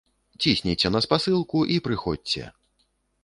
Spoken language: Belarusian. Цісніце на спасылку і прыходзьце!